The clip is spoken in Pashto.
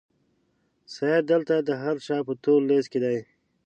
سید دلته د هر چا په تور لیست کې دی.